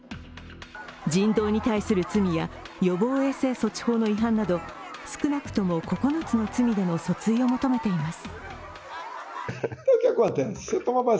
人道に対する罪や予防衛生措置法の違反など、少なくとも９つの罪での訴追を求めています。